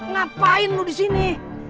ngapain lu disini